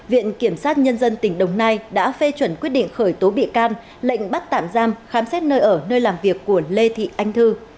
viện kiểm sát nhân dân tỉnh đồng nai đã phê chuẩn quyết định khởi tố bị can lệnh bắt tạm giam khám xét nơi ở nơi làm việc của lê thị anh thư